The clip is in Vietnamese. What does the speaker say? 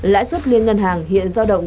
lãi suất liên ngân hàng hiện giao động